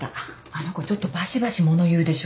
あの子ちょっとばしばし物言うでしょ。